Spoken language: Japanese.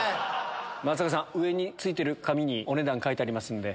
松坂さん上についてる紙にお値段書いてありますんで。